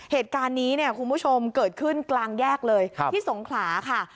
เหตุการณ์นี้เนี่ยคุณผู้ชมเกิดขึ้นกลางแยกเลยที่สงขลาค่ะ